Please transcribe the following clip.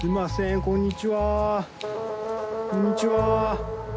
こんにちは。